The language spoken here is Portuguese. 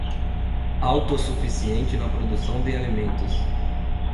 Autossuficiente na produção de alimentos